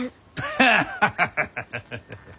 ハハハハハ。